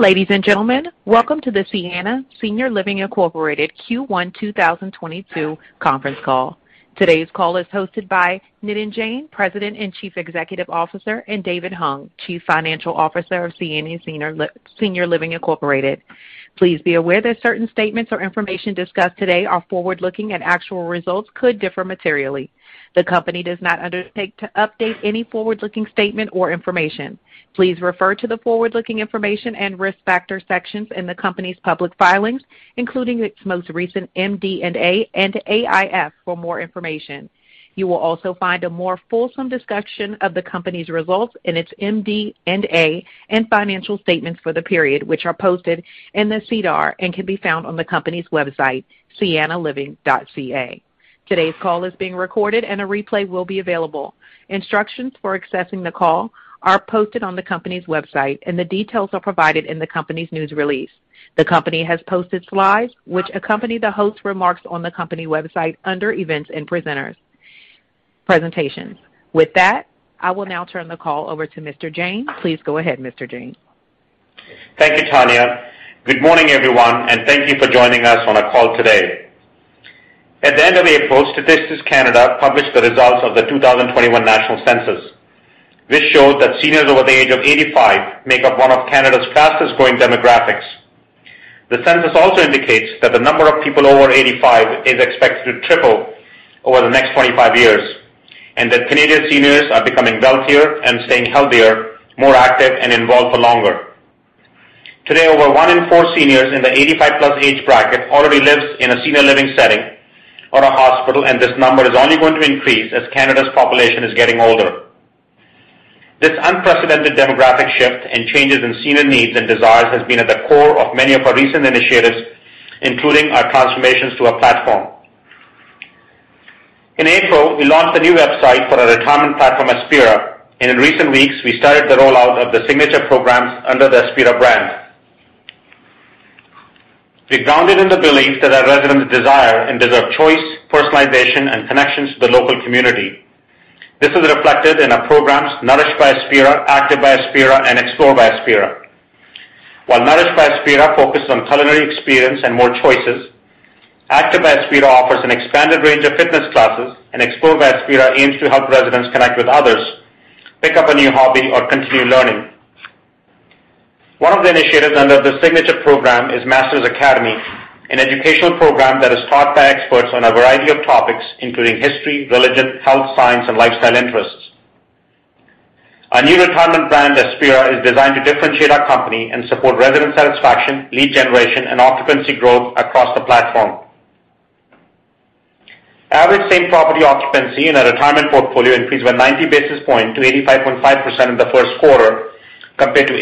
Ladies and gentlemen, welcome to the Sienna Senior Living Incorporated Q1 2022 conference call. Today's call is hosted by Nitin Jain, President and Chief Executive Officer, and David Hung, Chief Financial Officer of Sienna Senior Living Incorporated. Please be aware that certain statements or information discussed today are forward-looking and actual results could differ materially. The company does not undertake to update any forward-looking statement or information. Please refer to the forward-looking information and risk factor sections in the company's public filings, including its most recent MD&A and AIF for more information. You will also find a more fulsome discussion of the company's results in its MD&A and financial statements for the period, which are posted in the SEDAR and can be found on the company's website, siennaliving.ca. Today's call is being recorded and a replay will be available. Instructions for accessing the call are posted on the company's website, and the details are provided in the company's news release. The company has posted slides which accompany the host remarks on the company website under Events and Presentations. With that, I will now turn the call over to Mr. Jain. Please go ahead, Mr. Jain. Thank you, Tanya. Good morning, everyone, and thank you for joining us on our call today. At the end of April, Statistics Canada published the results of the 2021 national census. This showed that seniors over the age of 85 make up one of Canada's fastest-growing demographics. The census also indicates that the number of people over 85 is expected to triple over the next 25 years, and that Canadian seniors are becoming wealthier and staying healthier, more active and involved for longer. Today, over one in four seniors in the 85+ age bracket already lives in a senior living setting or a hospital, and this number is only going to increase as Canada's population is getting older. This unprecedented demographic shift and changes in senior needs and desires has been at the core of many of our recent initiatives, including our transformations to our platform. In April, we launched a new website for our retirement platform, Aspira, and in recent weeks, we started the rollout of the signature programs under the Aspira brand. We're grounded in the belief that our residents desire and deserve choice, personalization, and connections to the local community. This is reflected in our programs, Nourish by Aspira, Active by Aspira, and Explore by Aspira. While Nourish by Aspira focuses on culinary experience and more choices, Active by Aspira offers an expanded range of fitness classes, and Explore by Aspira aims to help residents connect with others, pick up a new hobby or continue learning. One of the initiatives under the signature program is Masters Academy, an educational program that is taught by experts on a variety of topics, including history, religion, health science, and lifestyle interests. Our new retirement brand Aspira, is designed to differentiate our company and support resident satisfaction, lead generation, and occupancy growth across the platform. Average same-property occupancy in our retirement portfolio increased by 90 basis points to 85.5% in the first quarter compared to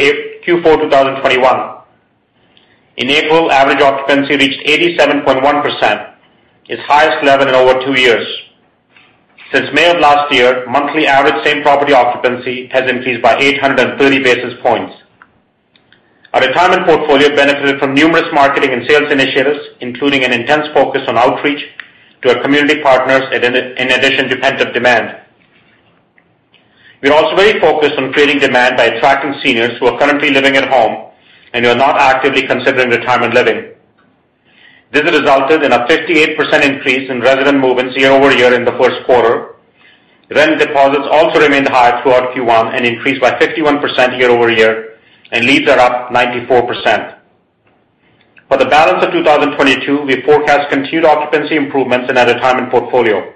Q4 2021. In April, average occupancy reached 87.1%, its highest level in over two years. Since May of last year, monthly average same-property occupancy has increased by 830 basis points. Our retirement portfolio benefited from numerous marketing and sales initiatives, including an intense focus on outreach to our community partners in addition to pent-up demand. We are also very focused on creating demand by attracting seniors who are currently living at home and who are not actively considering retirement living. This has resulted in a 58% increase in resident movements year-over-year in the first quarter. Rent deposits also remained high throughout Q1 and increased by 51% year-over-year, and leads are up 94%. For the balance of 2022, we forecast continued occupancy improvements in our retirement portfolio.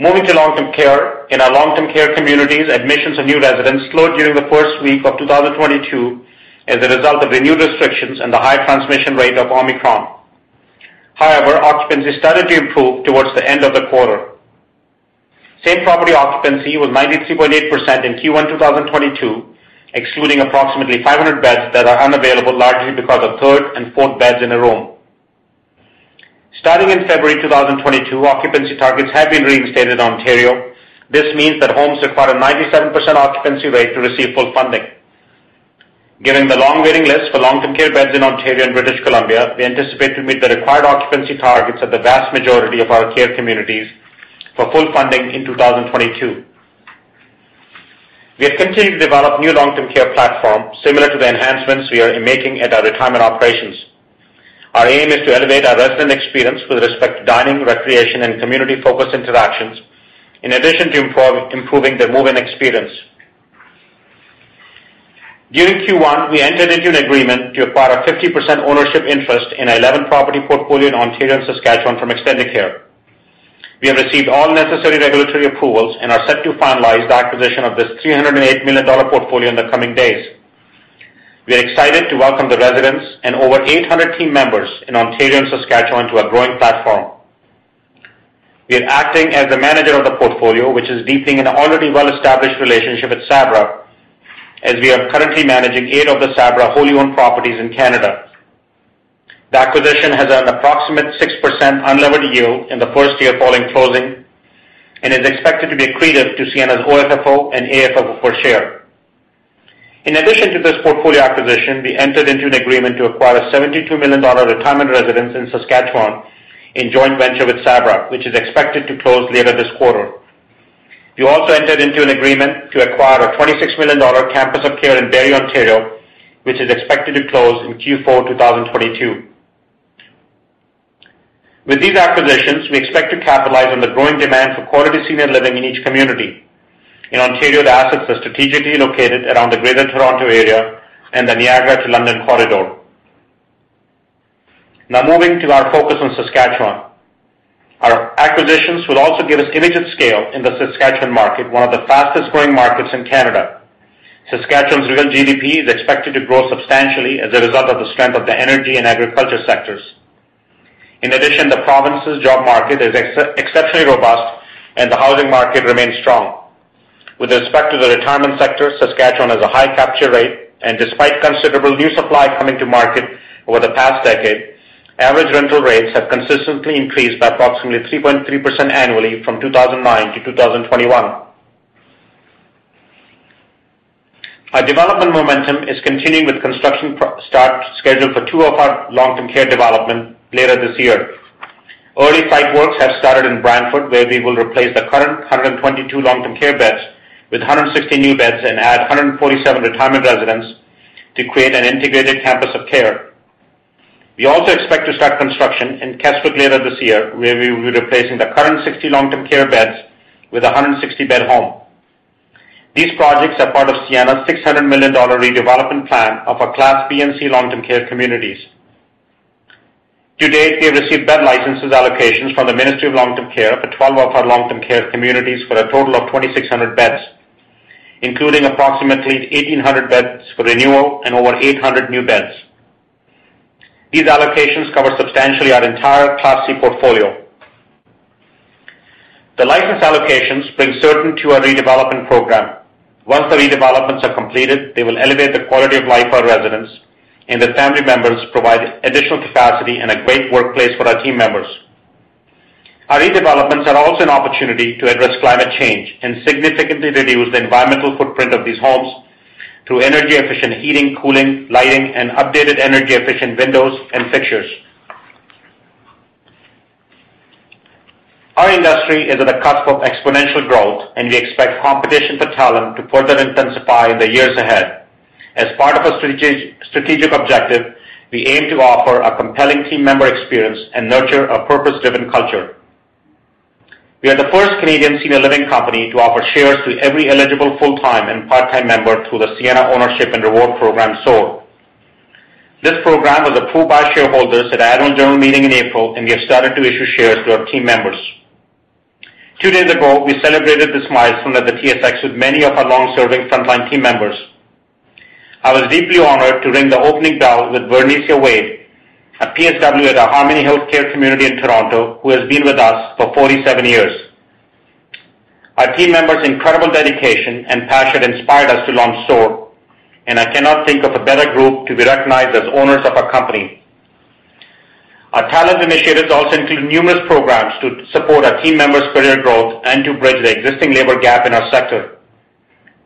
Moving to long-term care. In our long-term care communities, admissions of new residents slowed during the first week of 2022 as a result of the new restrictions and the high transmission rate of Omicron. However, occupancy started to improve toward the end of the quarter. Same-property occupancy was 93.8% in Q1 2022, excluding approximately 500 beds that are unavailable largely because of third and fourth beds in a room. Starting in February 2022, occupancy targets have been reinstated in Ontario. This means that homes require a 97% occupancy rate to receive full funding. Given the long waiting list for long-term care beds in Ontario and British Columbia, we anticipate to meet the required occupancy targets at the vast majority of our care communities for full funding in 2022. We have continued to develop new long-term care platforms similar to the enhancements we are making at our retirement operations. Our aim is to elevate our resident experience with respect to dining, recreation, and community-focused interactions, in addition to improving the move-in experience. During Q1, we entered into an agreement to acquire a 50% ownership interest in 11-property portfolio in Ontario and Saskatchewan from Extendicare. We have received all necessary regulatory approvals and are set to finalize the acquisition of this 308 million dollar portfolio in the coming days. We are excited to welcome the residents and over 800 team members in Ontario and Saskatchewan to our growing platform. We are acting as the manager of the portfolio, which is deepening an already well-established relationship with Sabra, as we are currently managing eight of the Sabra wholly owned properties in Canada. The acquisition has an approximate 6% unlevered yield in the first year following closing and is expected to be accretive to Sienna's OFFO and AFFO per share. In addition to this portfolio acquisition, we entered into an agreement to acquire a 72 million dollar retirement residence in Saskatchewan in joint venture with Sabra, which is expected to close later this quarter. We also entered into an agreement to acquire a 26 million dollar campus of care in Barrie, Ontario, which is expected to close in Q4 2022. With these acquisitions, we expect to capitalize on the growing demand for quality senior living in each community. In Ontario, the assets are strategically located around the Greater Toronto Area and the Niagara-to-London corridor. Now moving to our focus on Saskatchewan. Our acquisitions will also give us immediate scale in the Saskatchewan market, one of the fastest-growing markets in Canada. Saskatchewan's real GDP is expected to grow substantially as a result of the strength of the energy and agriculture sectors. In addition, the province's job market is exceptionally robust, and the housing market remains strong. With respect to the retirement sector, Saskatchewan has a high capture rate, and despite considerable new supply coming to market over the past decade, average rental rates have consistently increased by approximately 3.3% annually from 2009 to 2021. Our development momentum is continuing with construction start scheduled for two of our long-term care development later this year. Early site works have started in Brantford, where we will replace the current 122 long-term care beds with 160 new beds and add 147 retirement residents to create an integrated campus of care. We also expect to start construction in Keswick later this year, where we will be replacing the current 60 long-term care beds with a 160-bed home. These projects are part of Sienna's 600 million dollar redevelopment plan of our Class B and C long-term care communities. To date, we have received bed licenses allocations from the Ministry of Long-Term Care for 12 of our long-term care communities for a total of 2,600 beds, including approximately 1,800 beds for renewal and over 800 new beds. These allocations cover substantially our entire Class C portfolio. The license allocations bring certainty to our redevelopment program. Once the redevelopments are completed, they will elevate the quality of life for our residents and their family members, provide additional capacity and a great workplace for our team members. Our redevelopments are also an opportunity to address climate change and significantly reduce the environmental footprint of these homes through energy-efficient heating, cooling, lighting, and updated energy-efficient windows and fixtures. Our industry is at a cusp of exponential growth, and we expect competition for talent to further intensify in the years ahead. As part of a strategic objective, we aim to offer a compelling team member experience and nurture a purpose-driven culture. We are the first Canadian senior living company to offer shares to every eligible full-time and part-time member through the Sienna Ownership and Reward program, SOAR. This program was approved by shareholders at Annual General Meeting in April, and we have started to issue shares to our team members. Two days ago, we celebrated this milestone at the TSX with many of our long-serving frontline team members. I was deeply honored to ring the opening bell with Vernicia Wade, a PSW at the Harmony Healthcare community in Toronto, who has been with us for 47 years. Our team members' incredible dedication and passion inspired us to launch SOAR, and I cannot think of a better group to be recognized as owners of our company. Our talent initiatives also include numerous programs to support our team members' career growth and to bridge the existing labor gap in our sector.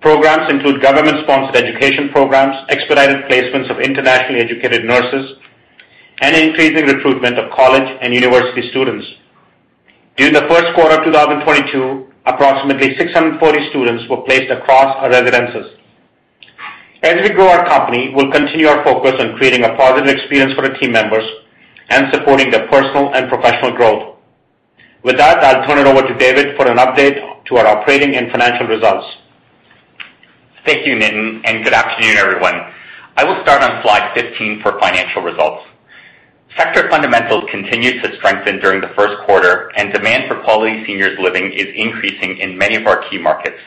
Programs include government-sponsored education programs, expedited placements of internationally educated nurses, and increasing recruitment of college and university students. During the first quarter of 2022, approximately 640 residents were placed across our residences. As we grow our company, we'll continue our focus on creating a positive experience for the team members and supporting their personal and professional growth. With that, I'll turn it over to David for an update to our operating and financial results. Thank you, Nitin, and good afternoon, everyone. I will start on slide 15 for financial results. Sector fundamentals continued to strengthen during the first quarter, and demand for quality seniors living is increasing in many of our key markets.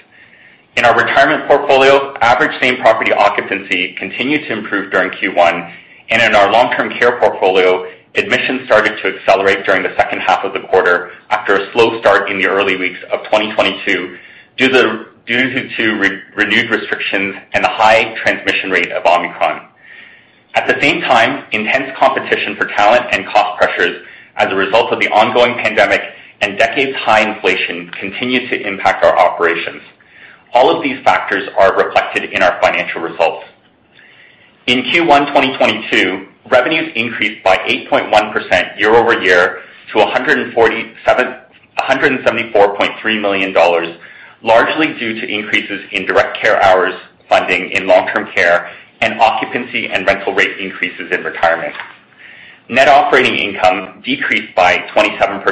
In our retirement portfolio, average same-property occupancy continued to improve during Q1, and in our long-term care portfolio, admissions started to accelerate during the second half of the quarter after a slow start in the early weeks of 2022 due to renewed restrictions and a high transmission rate of Omicron. At the same time, intense competition for talent and cost pressures as a result of the ongoing pandemic and decades high inflation continued to impact our operations. All of these factors are reflected in our financial results. In Q1 2022, revenues increased by 8.1% year-over-year to 174.3 million dollars, largely due to increases in direct care hours funding in long-term care and occupancy and rental rate increases in retirement. Net operating income decreased by 27%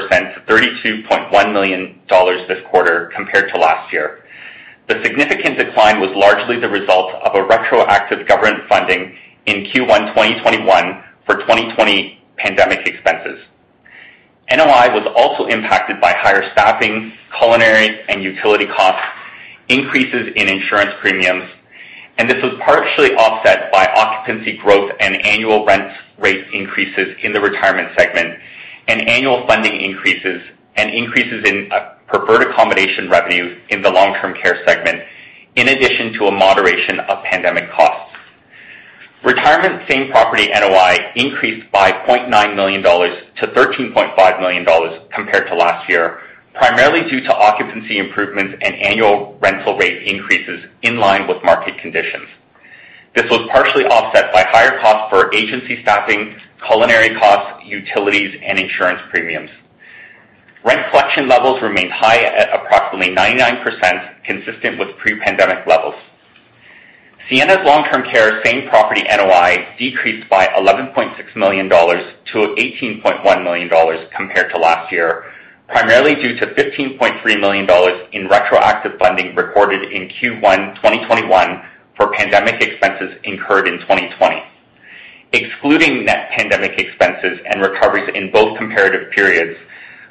to 32.1 million dollars this quarter compared to last year. The significant decline was largely the result of a retroactive government funding in Q1 2021 for 2020 pandemic expenses. NOI was also impacted by higher staffing, culinary, and utility costs, increases in insurance premiums, and this was partially offset by occupancy growth and annual rent rate increases in the retirement segment and annual funding increases and increases in preferred accommodation revenue in the long-term care segment, in addition to a moderation of pandemic costs. Retirement same-property NOI increased by 0.9 million dollars to 13.5 million dollars compared to last year, primarily due to occupancy improvements and annual rental rate increases in line with market conditions. This was partially offset by higher costs for agency staffing, culinary costs, utilities, and insurance premiums. Rent collection levels remained high at approximately 99%, consistent with pre-pandemic levels. Sienna's long-term care same property NOI decreased by 11.6 million dollars to 18.1 million dollars compared to last year, primarily due to 15.3 million dollars in retroactive funding recorded in Q1 2021 for pandemic expenses incurred in 2020. Excluding net pandemic expenses and recoveries in both comparative periods,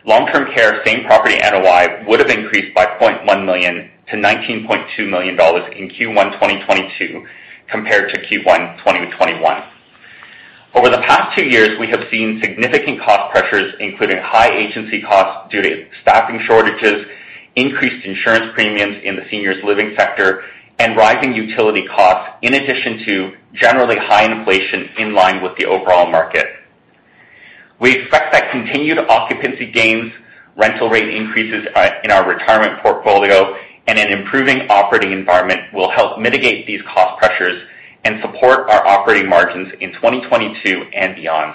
long-term care same property NOI would have increased by 0.1 million to 19.2 million dollars in Q1 2022 compared to Q1 2021. Over the past two years, we have seen significant cost pressures, including high agency costs due to staffing shortages, increased insurance premiums in the seniors living sector, and rising utility costs in addition to generally high inflation in line with the overall market. We expect that continued occupancy gains, rental rate increases, in our retirement portfolio, and an improving operating environment will help mitigate these cost pressures and support our operating margins in 2022 and beyond.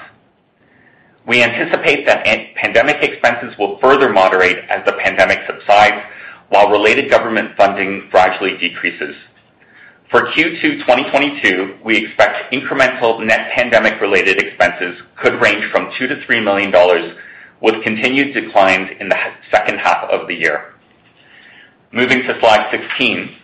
We anticipate that pandemic expenses will further moderate as the pandemic subsides while related government funding gradually decreases. For Q2 2022, we expect incremental net pandemic-related expenses could range from 2 million-3 million dollars, with continued declines in the second half of the year. Moving to slide 16.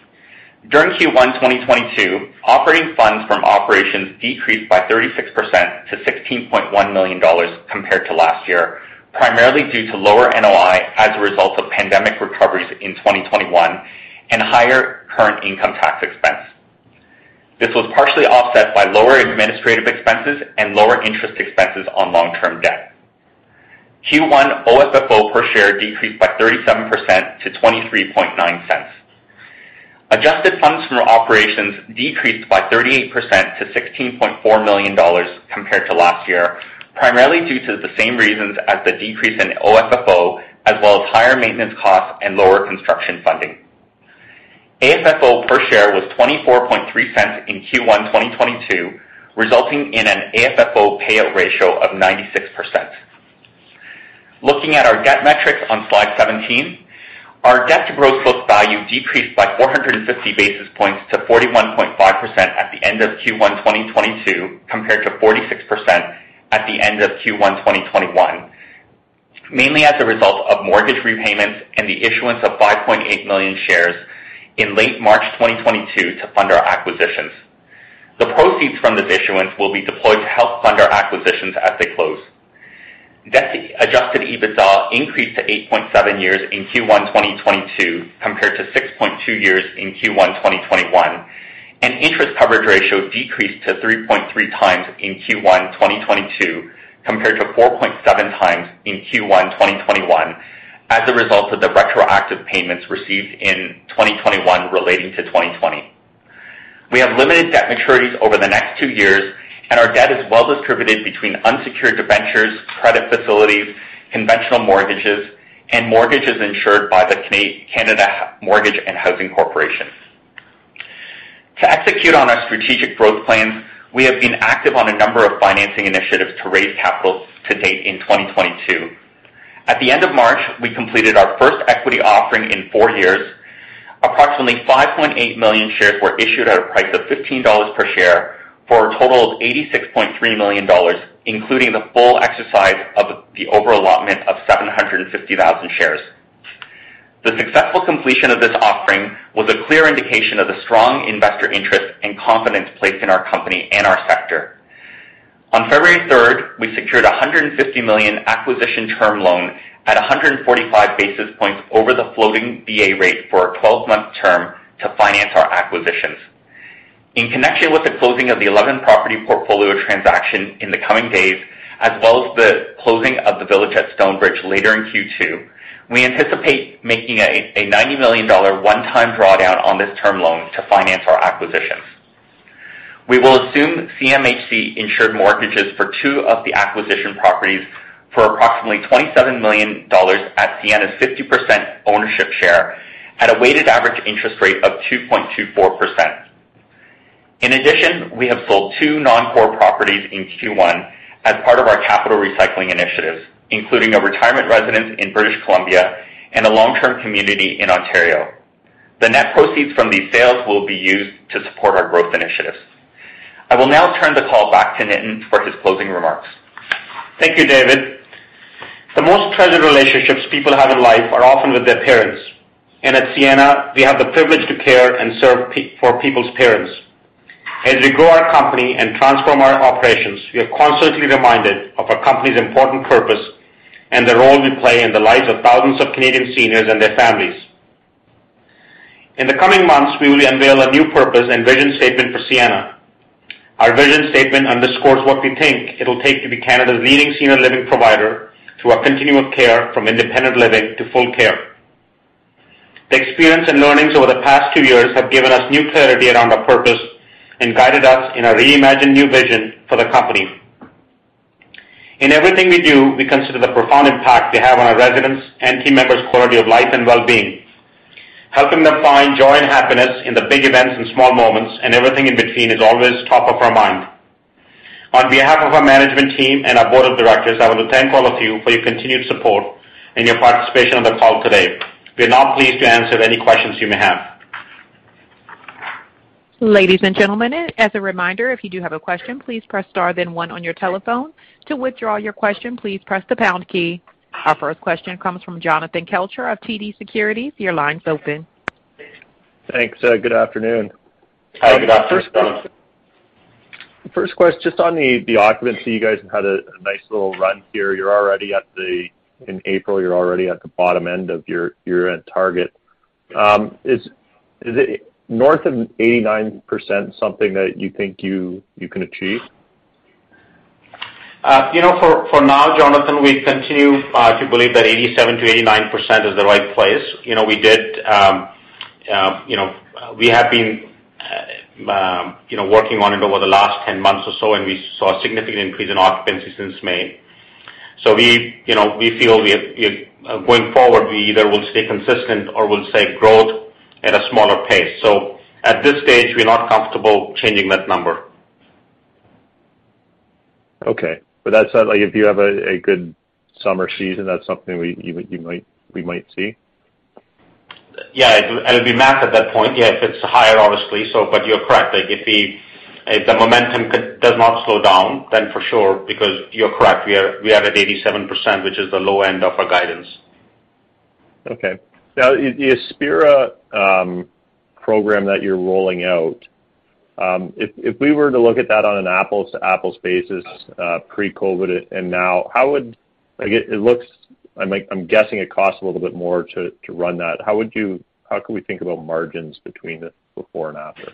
During Q1 2022, operating funds from operations decreased by 36% to 16.1 million dollars compared to last year, primarily due to lower NOI as a result of pandemic recoveries in 2021 and higher current income tax expense. This was partially offset by lower administrative expenses and lower interest expenses on long-term debt. Q1 OFFO per share decreased by 37% to 0.239. Adjusted funds from operations decreased by 38% to 16.4 million dollars compared to last year, primarily due to the same reasons as the decrease in OFFO, as well as higher maintenance costs and lower construction funding. AFFO per share was 0.243 in Q1 2022, resulting in an AFFO payout ratio of 96%. Looking at our debt metrics on slide 17. Our debt to gross book value decreased by 450 basis points to 41.5% at the end of Q1 2022, compared to 46% at the end of Q1 2021, mainly as a result of mortgage repayments and the issuance of 5.8 million shares in late March 2022 to fund our acquisitions. The proceeds from this issuance will be deployed to help fund our acquisitions as they close. Debt-to-adjusted EBITDA increased to 8.7 years in Q1 2022 compared to 6.2 years in Q1 2021, and interest coverage ratio decreased to 3.3x in Q1 2022 compared to 4.7x in Q1 2021 as a result of the retroactive payments received in 2021 relating to 2020. We have limited debt maturities over the next two years, and our debt is well distributed between unsecured debentures, credit facilities, conventional mortgages, and mortgages insured by the Canada Mortgage and Housing Corporation. To execute on our strategic growth plans, we have been active on a number of financing initiatives to raise capital to date in 2022. At the end of March, we completed our first equity offering in four years. Approximately 5.8 million shares were issued at a price of 15 dollars per share for a total of 86.3 million dollars, including the full exercise of the over-allotment of 750,000 shares. The successful completion of this offering was a clear indication of the strong investor interest and confidence placed in our company and our sector. On February 3, we secured 150 million acquisition term loan at 145 basis points over the floating BA rate for a 12-month term to finance our acquisitions. In connection with the closing of the 11-property portfolio transaction in the coming days, as well as the closing of the Village at Stonebridge later in Q2, we anticipate making a 90 million dollar one-time drawdown on this term loan to finance our acquisitions. We will assume CMHC insured mortgages for two of the acquisition properties for approximately 27 million dollars at Sienna's 50% ownership share at a weighted average interest rate of 2.24%. In addition, we have sold two non-core properties in Q1 as part of our capital recycling initiatives, including a retirement residence in British Columbia and a long-term community in Ontario. The net proceeds from these sales will be used to support our growth initiatives. I will now turn the call back to Nitin for his closing remarks. Thank you, David. The most treasured relationships people have in life are often with their parents. At Sienna, we have the privilege to care and serve for people's parents. As we grow our company and transform our operations, we are constantly reminded of our company's important purpose and the role we play in the lives of thousands of Canadian seniors and their families. In the coming months, we will unveil a new purpose and vision statement for Sienna. Our vision statement underscores what we think it'll take to be Canada's leading senior living provider through our continuum of care from independent living to full care. The experience and learnings over the past two years have given us new clarity around our purpose and guided us in our reimagined new vision for the company. In everything we do, we consider the profound impact we have on our residents' and team members' quality of life and well-being. Helping them find joy and happiness in the big events and small moments and everything in between is always top of our mind. On behalf of our management team and our board of directors, I want to thank all of you for your continued support and your participation on the call today. We're now pleased to answer any questions you may have. Ladies and gentlemen, as a reminder, if you do have a question, please press star then one on your telephone. To withdraw your question, please press the pound key. Our first question comes from Jonathan Kelcher of TD Securities. Your line's open. Thanks. Good afternoon. Hi, good afternoon. First question is on the occupancy. You guys have had a nice little run here. In April, you're already at the bottom end of your target. Is it north of 89% something that you think you can achieve? You know, for now, Jonathan, we continue to believe that 87%-89% is the right place. You know, we have been working on it over the last 10 months or so, and we saw a significant increase in occupancy since May. We, you know, we feel we have going forward, we either will stay consistent or we'll see growth at a smaller pace. At this stage, we're not comfortable changing that number. Okay. That's like if you have a good summer season, that's something we might see? Yeah, it'll be math at that point. Yeah, if it's higher, obviously. You're correct. Like, if the momentum does not slow down, then for sure, because you're correct, we are at 87%, which is the low end of our guidance. Okay. Now, the Aspira program that you're rolling out, if we were to look at that on an apples-to-apples basis, pre-COVID and now. Like, it looks like I'm guessing it costs a little bit more to run that. How can we think about margins between the before and after?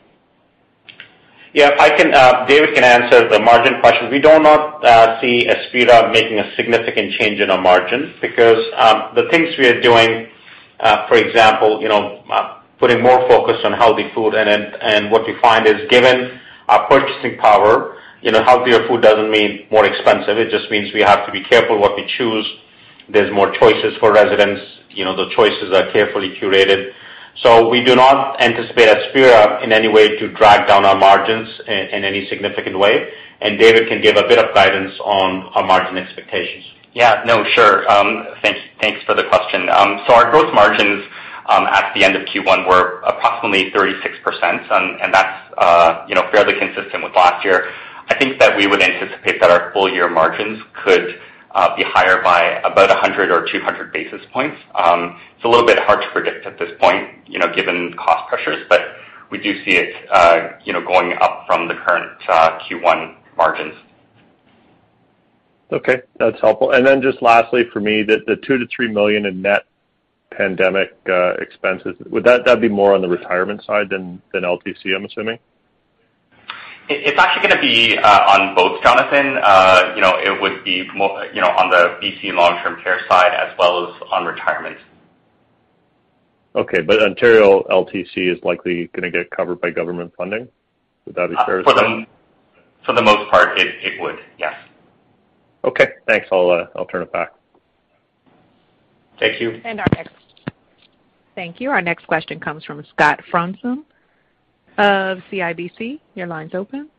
Yeah, I can, David can answer the margin question. We do not see Aspira making a significant change in our margins because the things we are doing, for example, you know, putting more focus on healthy food and what we find is, given our purchasing power, you know, healthier food doesn't mean more expensive. It just means we have to be careful what we choose. There's more choices for residents. You know, the choices are carefully curated. So we do not anticipate Aspira in any way to drag down our margins in any significant way. David can give a bit of guidance on our margin expectations. Yeah. No, sure. Thanks for the question. So our growth margins at the end of Q1 were approximately 36%, and that's, you know, fairly consistent with last year. I think that we would anticipate that our full year margins could be higher by about 100 or 200 basis points. It's a little bit hard to predict at this point, you know, given cost pressures, but we do see it, you know, going up from the current Q1 margins. Okay, that's helpful. Just lastly for me, the 2-3 million in net pandemic expenses, would that? That'd be more on the retirement side than LTC, I'm assuming? It's actually gonna be on both, Jonathan. You know, it would be, you know, on the BC and long-term care side as well as on retirement. Okay. Ontario LTC is likely gonna get covered by government funding? Would that be fair to say? For the most part, it would yes. Okay, thanks. I'll turn it back. Thank you. Thank you. Our next question comes from Scott Fromson of CIBC. Your line's open.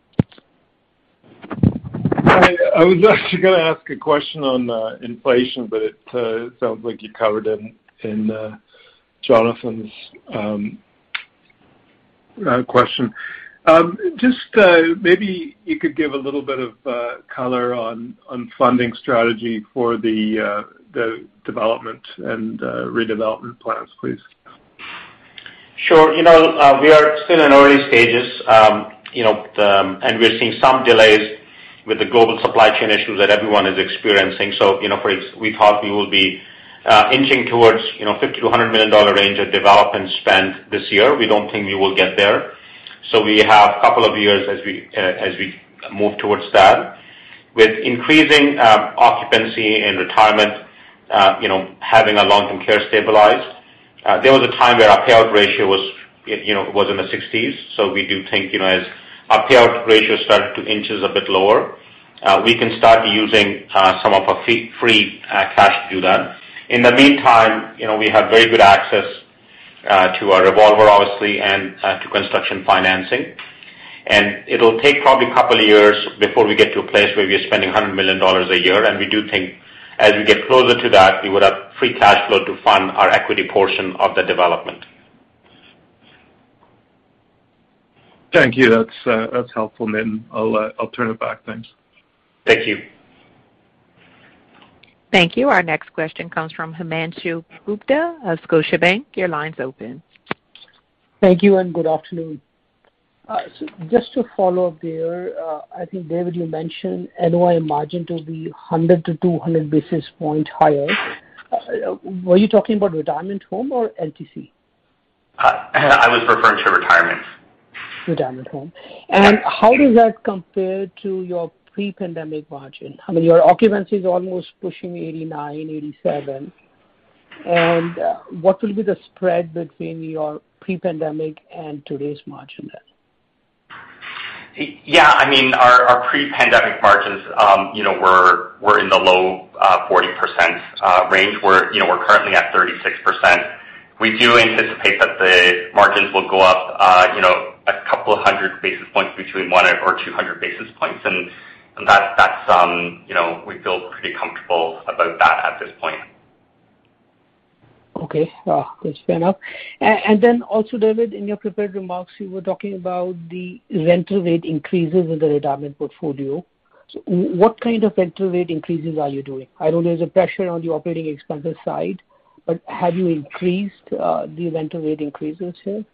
Hi. I was actually gonna ask a question on inflation, but it sounds like you covered it in Jonathan's question. Just maybe you could give a little bit of color on funding strategy for the development and redevelopment plans, please. Sure. You know, we are still in early stages, you know, the. We're seeing some delays with the global supply chain issues that everyone is experiencing. You know, we thought we will be inching towards, you know, 50 million-100 million dollar range of development spend this year. We don't think we will get there. We have couple of years as we, as we move towards that. With increasing occupancy in retirement, you know, having our long-term care stabilized, there was a time where our payout ratio was, you know, was in the 60s. We do think, you know, as our payout ratio starts to inch a bit lower, we can start using some of our free cash to do that. In the meantime, you know, we have very good access to our revolver obviously and to construction financing. It'll take probably a couple of years before we get to a place where we are spending 100 million dollars a year, and we do think as we get closer to that, we would have free cash flow to fund our equity portion of the development. Thank you. That's helpful. I'll turn it back. Thanks. Thank you. Thank you. Our next question comes from Himanshu Gupta of Scotiabank. Your line's open. Thank you and good afternoon. Just to follow up there, I think, David, you mentioned NOI margin to be 100-200 basis points higher. Were you talking about retirement home or LTC? I was referring to retirement. Retirement home. How does that compare to your pre-pandemic margin? I mean, your occupancy is almost pushing 89%, 87%. What will be the spread between your pre-pandemic and today's margin then? Yeah, I mean, our pre-pandemic margins, you know, were in the low 40% range. We're, you know, currently at 36%. We do anticipate that the margins will go up, you know, a couple of hundred basis points between 100 or 200 basis points. That's, you know, we feel pretty comfortable about that at this point. Good to know. Also, David, in your prepared remarks, you were talking about the rental rate increases in the retirement portfolio. What kind of rental rate increases are you doing? I know there's a pressure on the operating expenses side, but have you increased the rental rate increases here?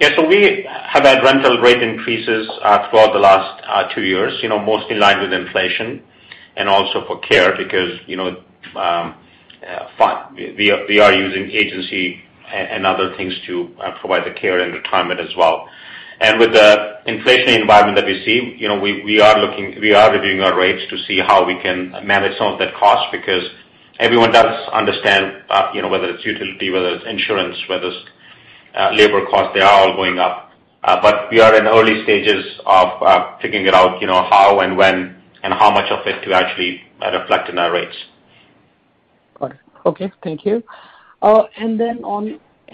Yeah. We have had rental rate increases throughout the last two years, you know, mostly in line with inflation and also for care because we are using agency and other things to provide the care and retirement as well. With the inflation environment that we see, you know, we are reviewing our rates to see how we can manage some of that cost because everyone does understand, you know, whether it's utility, whether it's insurance, whether it's labor costs, they are all going up. We are in early stages of figuring it out, you know, how and when and how much of it to actually reflect in our rates. Got it. Okay, thank you. On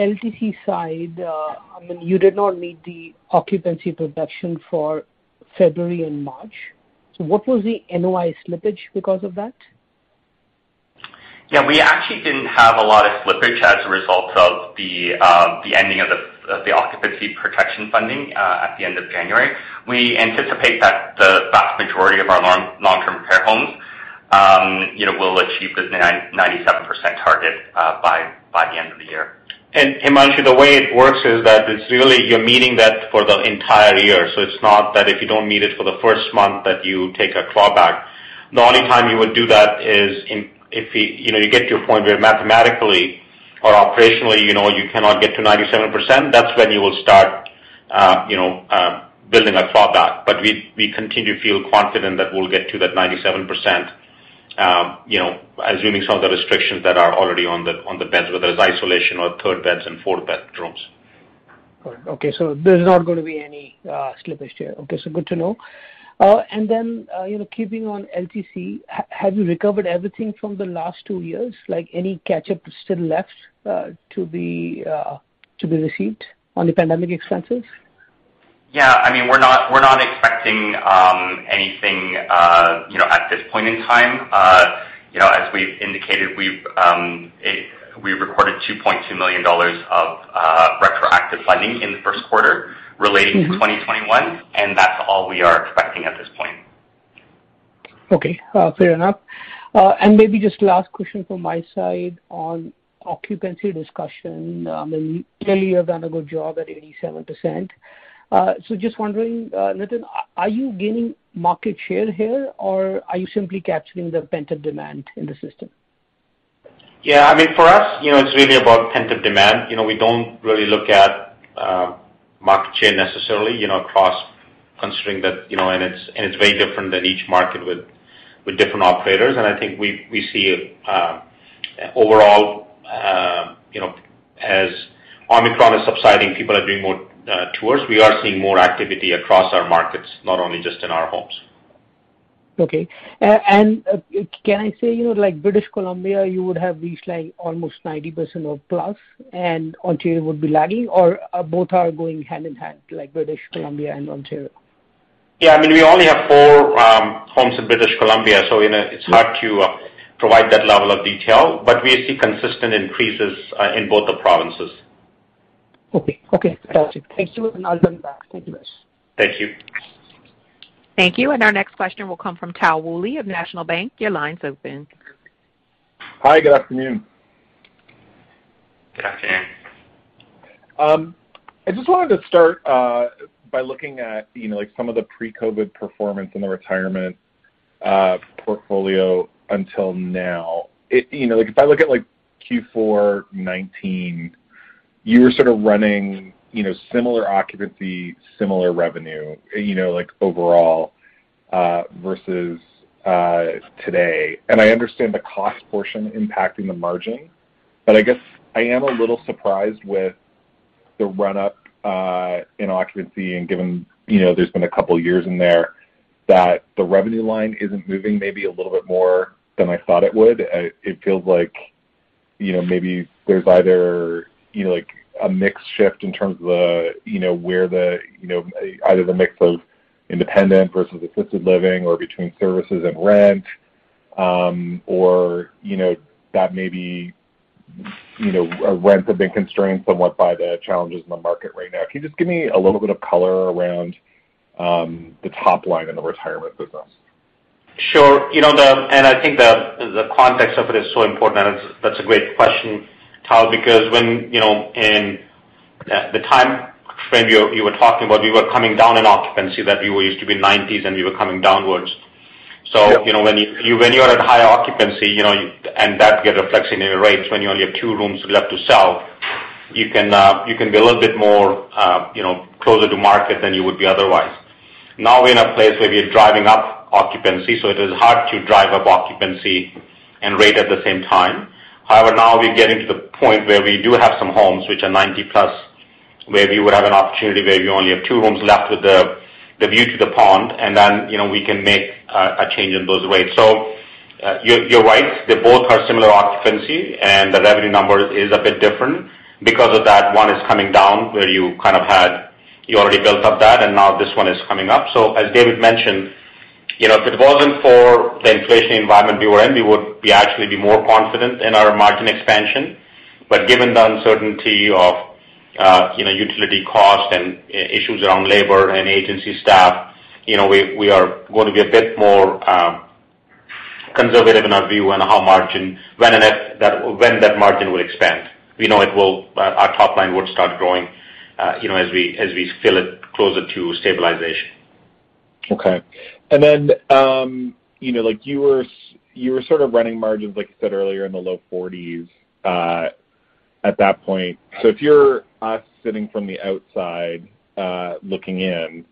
LTC side, I mean, you did not need the occupancy protection for February and March. What was the NOI slippage because of that? Yeah, we actually didn't have a lot of slippage as a result of the ending of the occupancy protection funding at the end of January. We anticipate that the vast majority of our long-term care homes, you know, will achieve the 99.7% target by the end of the year. Himanshu, the way it works is that it's really you're meeting that for the entire year, so it's not that if you don't meet it for the first month that you take a clawback. The only time you would do that is if, you know, you get to a point where mathematically or operationally, you know, you cannot get to 97%, that's when you will start, you know, building a clawback. But we continue to feel confident that we'll get to that 97%, you know, assuming some of the restrictions that are already on the beds, whether it's isolation or third beds and fourth bedrooms. All right. Okay, so there's not gonna be any slippage here. Okay, so good to know. Then, you know, keeping on LTC, have you recovered everything from the last two years? Like, any catch-up still left to be received on the pandemic expenses? Yeah, I mean, we're not expecting anything, you know, at this point in time. You know, as we've indicated, we recorded 2.2 million dollars of retroactive funding in the first quarter relating to 2021, and that's all we are expecting at this point. Okay, fair enough. Maybe just last question from my side on occupancy discussion. I mean, clearly you've done a good job at 87%. Just wondering, Nitin, are you gaining market share here, or are you simply capturing the pent-up demand in the system? Yeah, I mean, for us, you know, it's really about pent-up demand. You know, we don't really look at market share necessarily, you know, across considering that, you know, and it's very different in each market with different operators. I think we see overall, you know, as Omicron is subsiding, people are doing more tours. We are seeing more activity across our markets, not only just in our homes. Okay. Can I say, you know, like British Columbia, you would have reached like almost 90% or plus and Ontario would be lagging or, both are going hand in hand, like British Columbia and Ontario? Yeah, I mean, we only have four homes in British Columbia, so you know, it's hard to provide that level of detail, but we see consistent increases in both the provinces. Okay, got you. Thank you, and I'll jump back. Thank you guys. Thank you. Thank you. Our next question will come from Tal Woolley of National Bank. Your line's open. Hi, good afternoon. Good afternoon. I just wanted to start by looking at, you know, like some of the pre-COVID performance in the retirement portfolio until now. You know, like if I look at like Q4 2019, you were sort of running, you know, similar occupancy, similar revenue, you know, like overall versus today. I understand the cost portion impacting the margin, but I guess I am a little surprised with the run up in occupancy and given, you know, there's been a couple years in there that the revenue line isn't moving maybe a little bit more than I thought it would. It feels like, you know, maybe there's either, you know, like a mix shift in terms of the, you know, where the, you know, either the mix of independent versus assisted living or between services and rent, or, you know, that may be, you know, rent have been constrained somewhat by the challenges in the market right now. Can you just give me a little bit of color around, the top line in the retirement business? Sure. You know, I think the context of it is so important, and it's a great question, Tal, because when you know, in the time frame you were talking about, you were coming down in occupancy that you used to be 90s and you were coming downwards. You know, when you're at high occupancy, and that gets a reflection in your rates when you only have two rooms left to sell, you can be a little bit more closer to market than you would be otherwise. Now we're in a place where we are driving up occupancy, so it is hard to drive up occupancy and rate at the same time. However, now we're getting to the point where we do have some homes which are 90+, where we would have an opportunity where we only have two rooms left with the view to the pond, and then we can make a change in those rates. You're right, they both have similar occupancy, and the revenue number is a bit different. Because of that, one is coming down where you already built up that, and now this one is coming up. As David mentioned, you know, if it wasn't for the inflation environment we were in, we would actually be more confident in our margin expansion. Given the uncertainty of, you know, utility cost and issues around labor and agency staff, you know, we are going to be a bit more conservative in our view on when and if that margin will expand. We know it will, our top line would start growing, you know, as we feel it closer to stabilization. Okay. You know, like you were sort of running margins, like you said earlier, in the low 40s, at that point. If you're us sitting from the outside, looking in,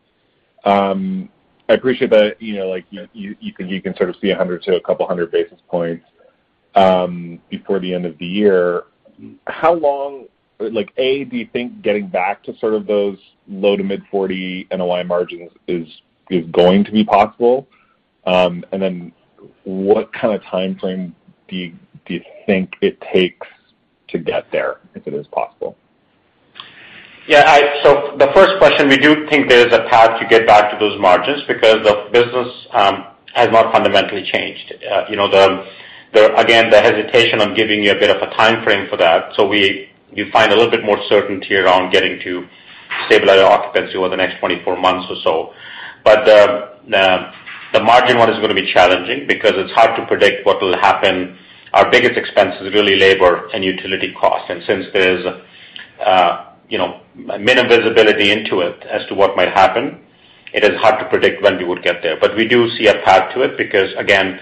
I appreciate that, you know, like, you can sort of see 100-200 basis points, before the end of the year. Like, A, do you think getting back to sort of those low- to mid-40% NOI margins is going to be possible? What kind of timeframe do you think it takes to get there, if it is possible? The first question, we do think there is a path to get back to those margins because the business has not fundamentally changed. Again, the hesitation on giving you a bit of a timeframe for that. You find a little bit more certainty around getting to stabilized occupancy over the next 24 months or so. But the margin one is gonna be challenging because it's hard to predict what will happen. Our biggest expense is really labor and utility costs. Since there's minimal visibility into it as to what might happen, it is hard to predict when we would get there. But we do see a path to it because, again,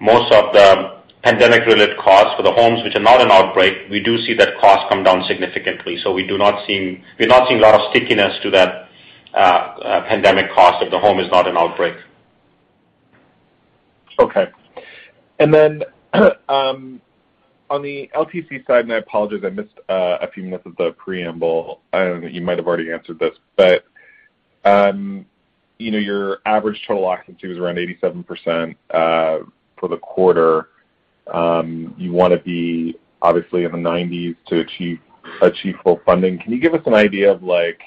most of the pandemic-related costs for the homes which are not an outbreak, we do see that cost come down significantly. We're not seeing a lot of stickiness to that pandemic cost if the home is not an outbreak. Okay. Then, on the LTC side, I apologize, I missed a few minutes of the preamble. You might have already answered this. You know, your average total occupancy was around 87% for the quarter. You wanna be obviously in the 90s to achieve full funding. Can you give us an idea of like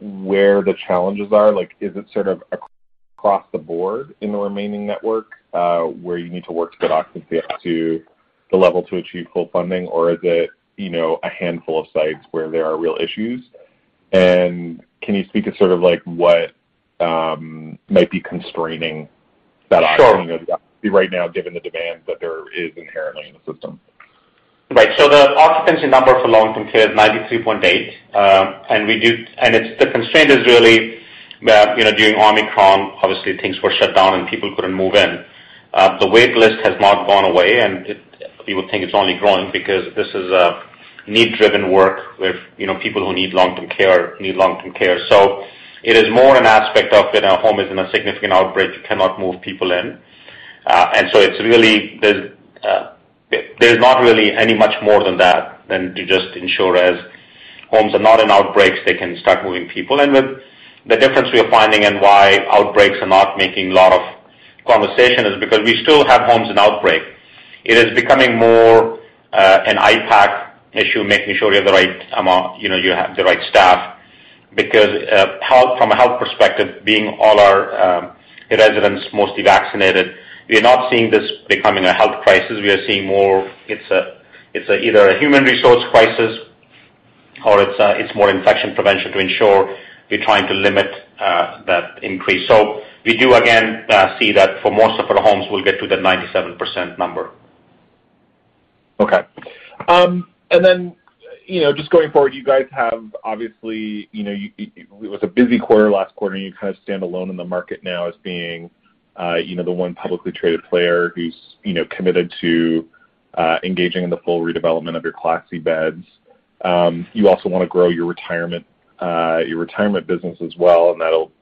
where the challenges are? Like, is it sort of across the board in the remaining network, where you need to work to get occupancy up to the level to achieve full funding? Or is it, you know, a handful of sites where there are real issues? Can you speak to sort of like what might be constraining that occupancy? Sure. Right now, given the demand that there is inherently in the system? The occupancy number for long-term care is 93.8%. It's the constraint is really that, you know, during Omicron, obviously things were shut down, and people couldn't move in. The wait list has not gone away, people think it's only growing because this is a need-driven world with, you know, people who need long-term care. It is more an aspect of if a home is in a significant outbreak, you cannot move people in. It's really there's not really anything more than that other than to just ensure as homes are not in outbreaks, they can start moving people in. The difference we are finding and why outbreaks are not making a lot of conversation is because we still have homes in outbreak. It is becoming more an IPAC issue, making sure you have the right amount, you know, you have the right staff. Because from a health perspective, being all our residents mostly vaccinated, we are not seeing this becoming a health crisis. We are seeing more it's either a human resource crisis or it's more infection prevention to ensure we're trying to limit that increase. We do again see that for most of our homes, we'll get to the 97% number. Okay, you know, just going forward, you guys have obviously, you know, it was a busy quarter last quarter, and you kind of stand alone in the market now as being, you know, the one publicly traded player who's, you know, committed to engaging in the full redevelopment of your Class C beds. You also wanna grow your retirement business as well, and that'll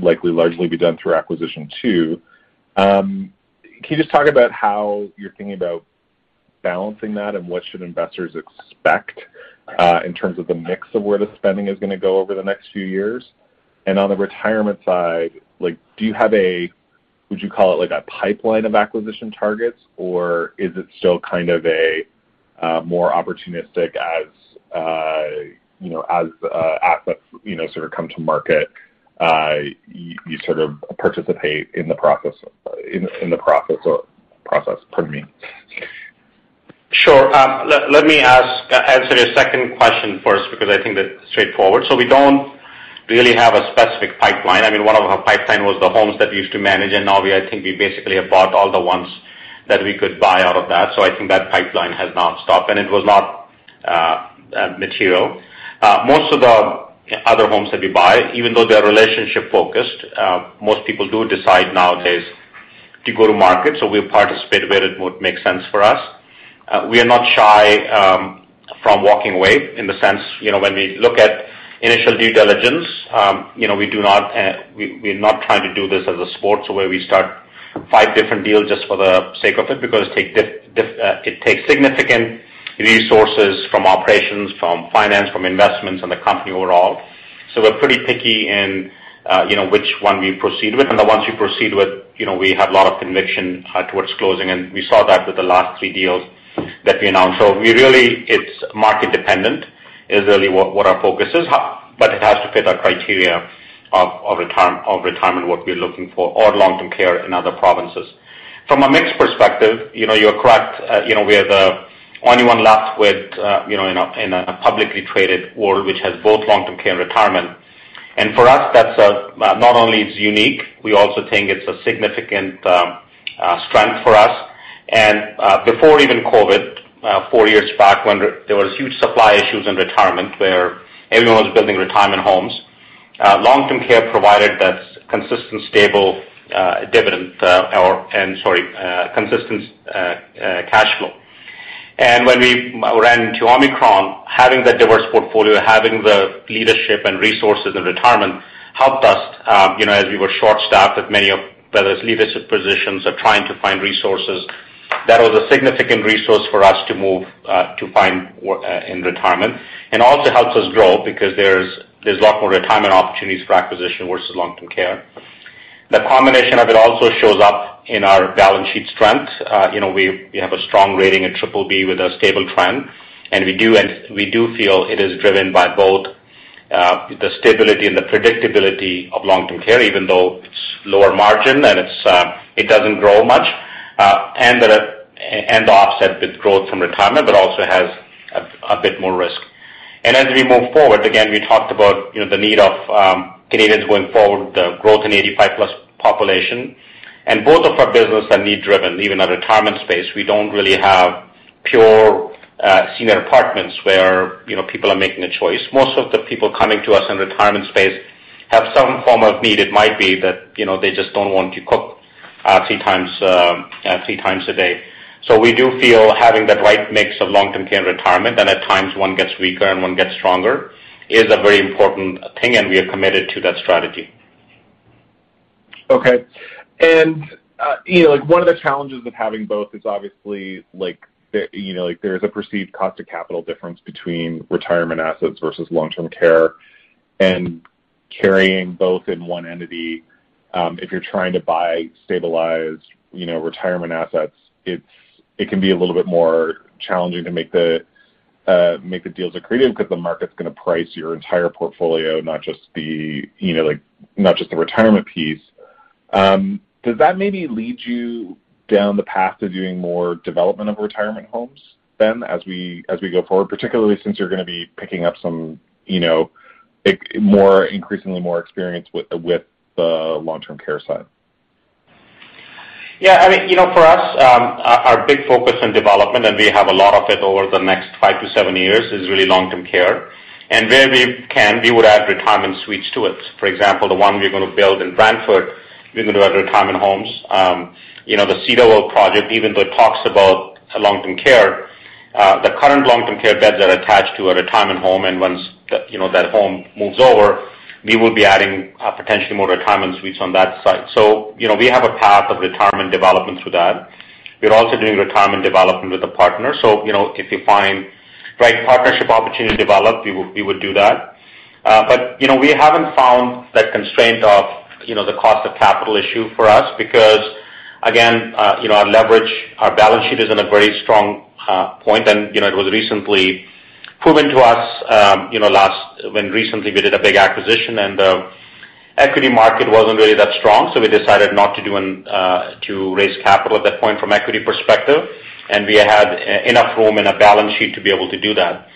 likely largely be done through acquisition too. Can you just talk about how you're thinking about balancing that and what should investors expect in terms of the mix of where the spending is gonna go over the next few years? On the retirement side, like, do you have a, would you call it like a pipeline of acquisition targets, or is it still kind of a more opportunistic as, you know, as assets, you know, sort of come to market, you sort of participate in the process? Pardon me. Sure. Let me answer your second question first because I think that's straightforward. We don't really have a specific pipeline. I mean, one of our pipeline was the homes that we used to manage, and now I think we basically have bought all the ones that we could buy out of that. I think that pipeline has now stopped, and it was not material. Most of the other homes that we buy, even though they're relationship-focused, most people do decide nowadays to go to market, so we'll participate where it would make sense for us. We are not shy from walking away in the sense, you know, when we look at initial due diligence, you know, we do not, we are not trying to do this as a sport where we start five different deals just for the sake of it because it takes significant resources from operations, from finance, from investments, and the company overall. We are pretty picky in, you know, which one we proceed with. The ones we proceed with, you know, we have a lot of conviction towards closing, and we saw that with the last three deals that we announced. We really, it is market dependent is really what our focus is. It has to fit our criteria of retirement what we are looking for or long-term care in other provinces. From a mix perspective, you know, you're correct. We are the only one left with, you know, in a publicly traded world which has both long-term care and retirement. For us, that's not only is it unique, we also think it's a significant strength for us. Before even COVID, four years back when there was huge supply issues in retirement where everyone was building retirement homes, long-term care provided that consistent, stable cash flow. When we ran into Omicron, having that diverse portfolio, having the leadership and resources in retirement helped us, you know, as we were short-staffed in many areas, whether it's leadership positions or trying to find resources, that was a significant resource for us to move, to find work, in retirement. Also helps us grow because there's a lot more retirement opportunities for acquisition versus long-term care. The combination of it also shows up in our balance sheet strength. You know, we have a strong rating at BBB with a stable trend. We do feel it is driven by both, the stability and the predictability of long-term care, even though it's lower margin and it's, it doesn't grow much, and the offset with growth from retirement, but also has a bit more risk. As we move forward, again, we talked about, you know, the need of Canadians going forward, the growth in 85+ population. Both of our business are need-driven. Even our retirement space, we don't really have pure senior apartments where, you know, people are making a choice. Most of the people coming to us in retirement space have some form of need. It might be that, you know, they just don't want to cook 3x a day. We do feel having that right mix of long-term care and retirement, and at times one gets weaker and one gets stronger, is a very important thing, and we are committed to that strategy. Okay. You know, like one of the challenges of having both is obviously like the, you know, like there's a perceived cost of capital difference between retirement assets versus long-term care. Carrying both in one entity, if you're trying to buy stabilized, you know, retirement assets, it can be a little bit more challenging to make the deals accretive because the market's gonna price your entire portfolio, not just the, you know, like, not just the retirement piece. Does that maybe lead you down the path of doing more development of retirement homes then as we go forward, particularly since you're gonna be picking up some, you know, more, increasingly more experience with the long-term care side? Yeah. I mean, you know, for us, our big focus in development, and we have a lot of it over the next five to seven years, is really long-term care. Where we can, we would add retirement suites to it. For example, the one we're gonna build in Brantford, we're gonna do our retirement homes. You know, the Seaway project, even though it talks about long-term care, the current long-term care beds are attached to a retirement home, and once, you know, that home moves over, we will be adding potentially more retirement suites on that site. You know, we have a path of retirement development through that. We're also doing retirement development with a partner. You know, if we find right partnership opportunity to develop, we would, we would do that. You know, we haven't found that constraint of, you know, the cost of capital issue for us because, again, you know, our leverage, our balance sheet is in a very strong point. You know, it was recently proven to us, you know, when recently we did a big acquisition and the equity market wasn't really that strong, so we decided not to raise capital at that point from equity perspective. We had enough room in our balance sheet to be able to do that.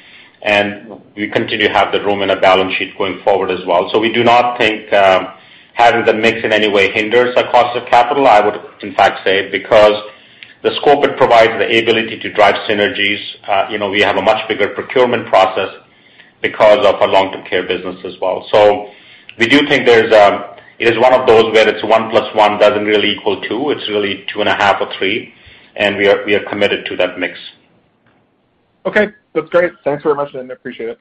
We continue to have the room in our balance sheet going forward as well. We do not think having the mix in any way hinders our cost of capital. I would in fact say because the scope it provides, the ability to drive synergies, you know, we have a much bigger procurement process because of our long-term care business as well. We do think there's it is one of those where it's one plus one doesn't really equal two, it's really two point five or three, and we are committed to that mix. Okay. That's great. Thanks very much. I appreciate it.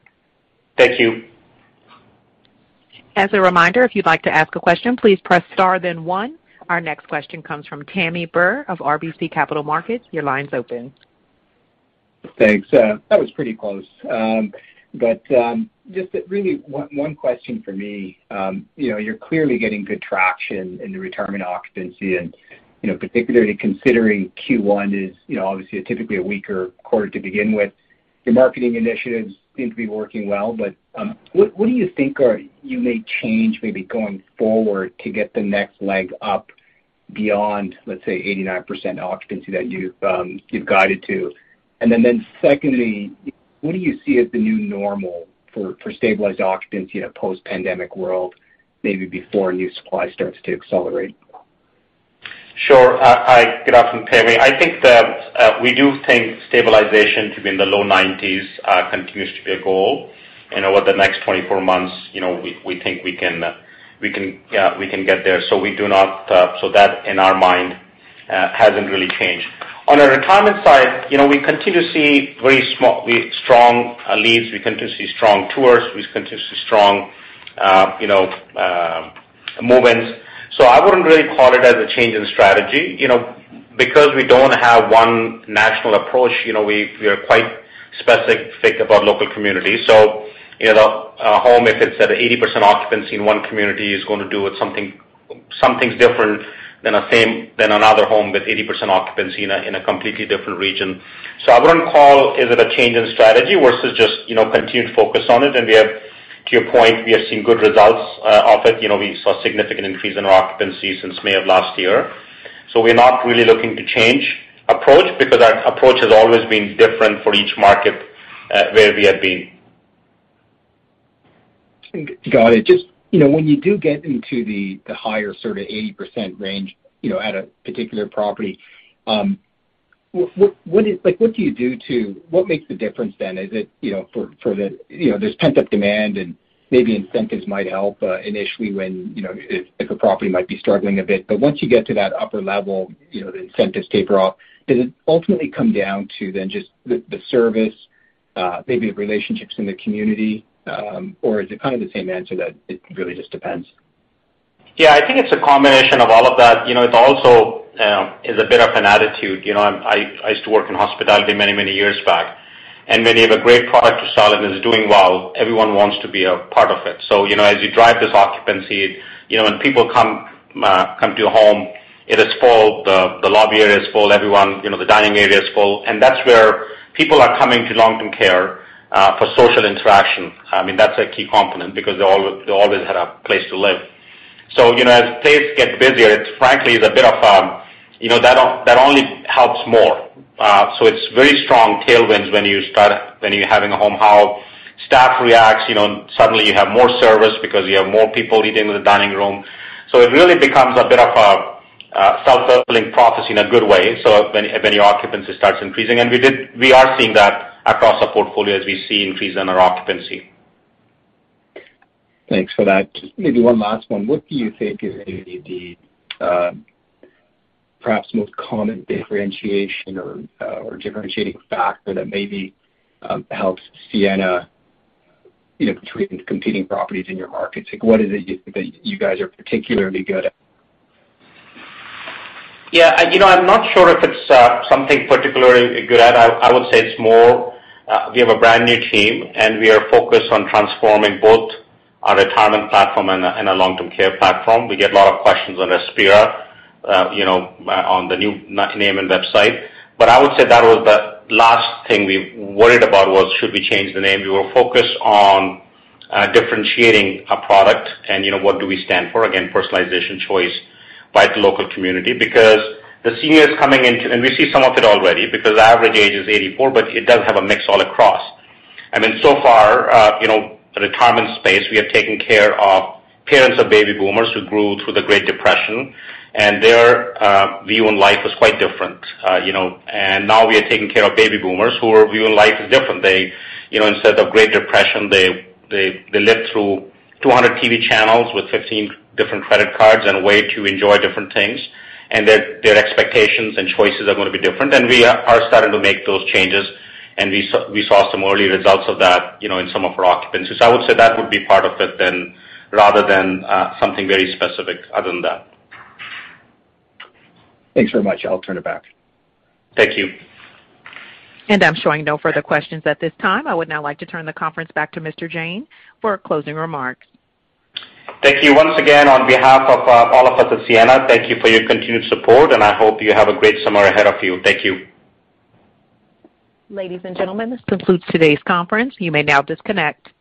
Thank you. As a reminder, if you'd like to ask a question, please press star then one. Our next question comes from Pammi Bir of RBC Capital Markets. Your line's open. Thanks. That was pretty close. But just really one question for me. You know, you're clearly getting good traction in the retirement occupancy and, you know, particularly considering Q1 is, you know, obviously typically a weaker quarter to begin with. Your marketing initiatives seem to be working well, but what do you think you may change maybe going forward to get the next leg up beyond, let's say, 89% occupancy that you've guided to? Secondly, what do you see as the new normal for stabilized occupancy in a post-pandemic world, maybe before new supply starts to accelerate? Sure. Hi. Good afternoon, Pammi. I think that we do think stabilization to be in the low 90s continues to be a goal. You know, over the next 24 months, you know, we think we can get there. That, in our mind, hasn't really changed. On the retirement side, you know, we continue to see strong leads. We continue to see strong tours. We continue to see strong, you know, move-ins. I wouldn't really call it a change in strategy. You know, because we don't have one national approach, you know, we are quite specific about local communities. You know, a home, if it's at 80% occupancy in one community, is gonna do something different than another home with 80% occupancy in a completely different region. I wouldn't call it a change in strategy versus just, you know, continued focus on it. We have, to your point, seen good results of it. You know, we saw significant increase in our occupancy since May of last year. We're not really looking to change approach because our approach has always been different for each market, where we have been. Got it. Just, you know, when you do get into the higher sorta 80% range, you know, at a particular property, what makes the difference then? Is it, you know, for the pent-up demand, and maybe incentives might help initially when, you know, if a property might be struggling a bit. Once you get to that upper level, you know, the incentives taper off. Does it ultimately come down to then just the service, maybe the relationships in the community? Or is it kinda the same answer that it really just depends? Yeah. I think it's a combination of all of that. You know, it also is a bit of an attitude. You know, I used to work in hospitality many, many years back. When you have a great product to sell and it's doing well, everyone wants to be a part of it. You know, as you drive this occupancy, you know, when people come to a home, it is full. The lobby area is full. Everyone, you know, the dining area is full. That's where people are coming to long-term care for social interaction. I mean, that's a key component because they always had a place to live. You know, as place get busier, it's frankly a bit of, you know, that only helps more. It's very strong tailwinds when you're having a home how staff reacts. You know, suddenly you have more service because you have more people eating in the dining room. It really becomes a bit of a self-fulfilling process in a good way, so when your occupancy starts increasing. We are seeing that across our portfolio as we see increase in our occupancy. Thanks for that. Maybe one last one. What do you think is maybe the perhaps most common differentiation or differentiating factor that maybe helps Sienna, you know, between competing properties in your markets? Like, what is it that you guys are particularly good at? Yeah. You know, I'm not sure if it's something particularly good at. I would say it's more we have a brand new team, and we are focused on transforming both our retirement platform and our long-term care platform. We get a lot of questions on Aspira, you know, on the new name and website. But I would say that was the last thing we worried about was should we change the name? We were focused on differentiating a product and, you know, what do we stand for. Again, personalization, choice by the local community because the seniors coming into. We see some of it already because the average age is 84, but it does have a mix all across. I mean, so far, you know, the retirement space, we are taking care of parents of baby boomers who grew through the Great Depression, and their view on life was quite different. You know, now we are taking care of baby boomers whose view on life is different. They, you know, instead of Great Depression, they lived through 200 TV channels with 15 different credit cards and a way to enjoy different things. Their expectations and choices are gonna be different. We are starting to make those changes, and we saw some early results of that, you know, in some of our occupancies. I would say that would be part of it, rather than something very specific other than that. Thanks very much. I'll turn it back. Thank you. I'm showing no further questions at this time. I would now like to turn the conference back to Mr. Jain for closing remarks. Thank you once again. On behalf of all of us at Sienna, thank you for your continued support, and I hope you have a great summer ahead of you. Thank you. Ladies and gentlemen, this concludes today's conference. You may now disconnect.